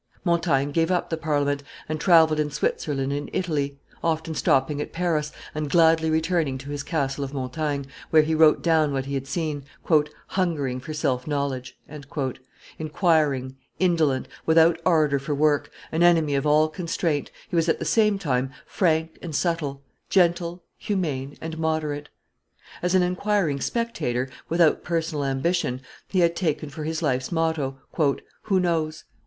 Montaigne gave up the Parliament, and travelled in Switzerland and Italy, often stopping at Paris, and gladly returning to his castle of Montaigne, where he wrote down what he had seen; "hungering for self knowledge," inquiring, indolent, without ardor for work, an enemy of all constraint, he was at the same time frank and subtle, gentle, humane, and moderate. As an inquiring spectator, without personal ambition, he had taken for his life's motto, "Who knows?